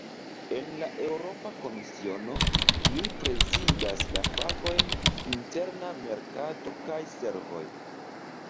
En la Eŭropa Komisiono, li prezidas la fakojn "interna merkato kaj servoj".